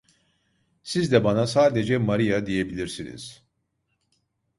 Siz de bana sadece Maria diyebilirsiniz…